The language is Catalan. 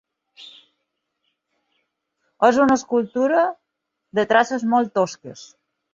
És una escultura de traces molt tosques.